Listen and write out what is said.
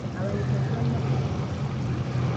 Abayeekera tebalina kisa.